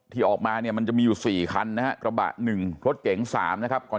ที่ออกมาเนี่ยมันจะมีอยู่๔คันนะฮะกระบะ๑รถเก๋ง๓นะครับก่อน